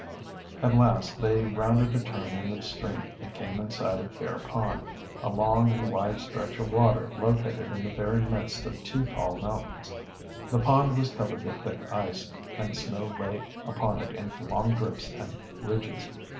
At last they rounded a turn in the stream and came in sight of Bear Pond, a long and wide stretch of water located in the very midst of two tall mountains. The pond was covered with thick ice, and the snow lay upon it in long drifts and ridges.